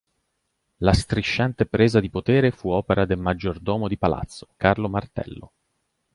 La strisciante presa di potere fu opera del Maggiordomo di Palazzo, Carlo Martello.